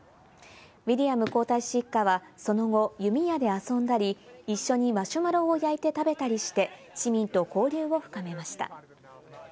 ウィリアム皇太子一家は、その後、弓矢で遊んだり、一緒にマシュマロを焼いて食べたりして、市民と交流を深めました。